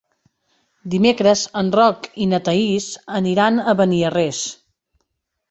Dimecres en Roc i na Thaís aniran a Beniarrés.